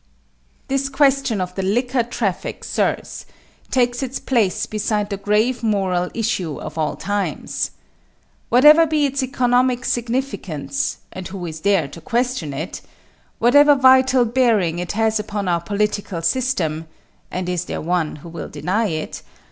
This question of the liquor traffic, sirs, takes its place beside the grave moral issues of all times. Whatever be its economic significance and who is there to question it whatever vital bearing it has upon our political system and is there one who will deny it?